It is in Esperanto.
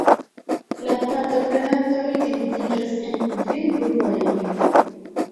La partoprenantoj dividiĝas en kvin grupojn.